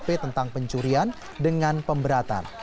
bp tentang pencurian dengan pemberatan